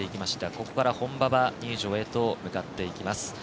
ここから本馬場入場へと向かっていきます。